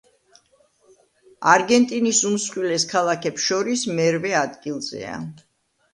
არგენტინის უმსხვილეს ქალაქებს შორის მერვე ადგილზეა.